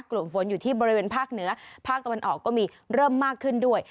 กลุ่มฝนอยู่ที่บริเวณภาคเหนือภาคตะวันออกก็มีเริ่มมากขึ้นด้วย